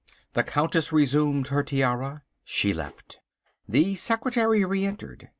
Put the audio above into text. The Countess resumed her tiara. She left. The secretary re entered.